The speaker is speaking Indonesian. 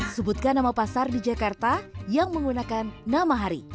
sebutkan nama pasar di jakarta yang menggunakan nama hari